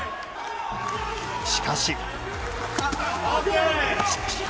しかし。